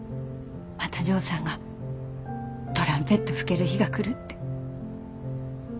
またジョーさんがトランペット吹ける日が来るって。